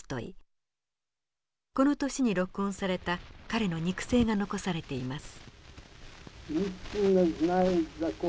この年に録音された彼の肉声が残されています。